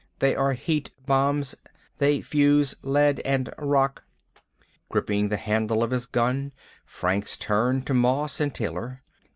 They are heat bombs. They fuse lead and rock." Gripping the handle of his gun, Franks turned to Moss and Taylor.